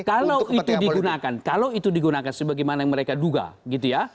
kalau itu digunakan kalau itu digunakan sebagaimana yang mereka duga gitu ya